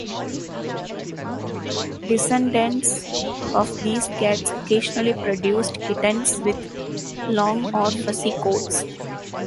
Descendants of these cats occasionally produced kittens with long or fuzzy coats.